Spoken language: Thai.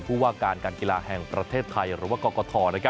ผู้ว่าการการกีฬาแห่งประเทศไทยหรือว่ากรกฐ